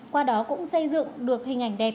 qua đó cũng xây dựng được hình ảnh đẹp